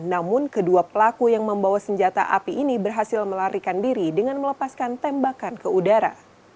namun kedua pelaku yang membawa senjata api ini berhasil melarikan diri dengan melepaskan tembakan ke udara